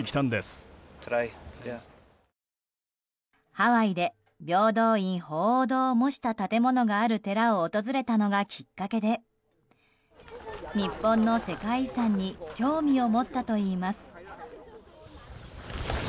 ハワイで平等院鳳凰堂を模した建物がある寺を訪れたのがきっかけで日本の世界遺産に興味を持ったといいます。